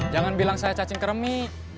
jangan bilang saya cacing keremi